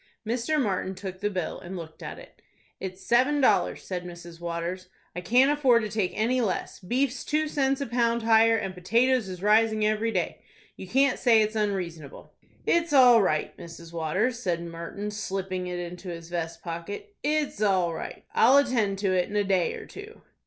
Mr. Martin took the bill, and looked at it. "It's seven dollars," said Mrs. Waters. "I can't afford to take any less. Beef's two cents a pound higher, and potatoes is rising every day. You can't say it's unreasonable." "It's all right, Mrs. Waters," said Martin, slipping it into his vest pocket. "It's all right. I'll attend to it in a day or two."